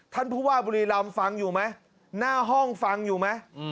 ท่านผู้ว่าบุรีรำฟังอยู่ไหมหน้าห้องฟังอยู่ไหม